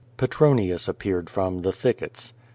Petronius appeared from the thickets.